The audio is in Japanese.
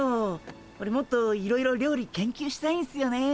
オレもっといろいろ料理研究したいんすよね。